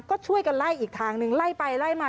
ก็ช่วยกันไล่อีกทางนึงไล่ไปไล่มา